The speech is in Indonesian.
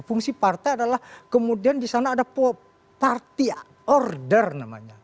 fungsi partai adalah kemudian di sana ada party order namanya